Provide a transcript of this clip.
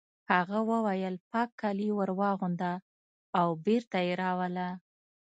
هغه وویل پاک کالي ور واغونده او بېرته یې راوله